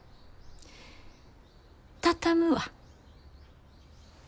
畳むわ。